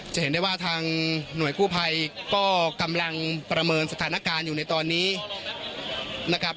จะเห็นได้ว่าทางหน่วยกู้ภัยก็กำลังประเมินสถานการณ์อยู่ในตอนนี้นะครับ